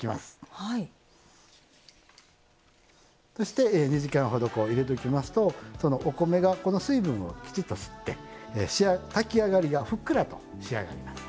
そして２時間ほど入れときますとお米がこの水分をきちっと吸って炊き上がりがふっくらと仕上がります。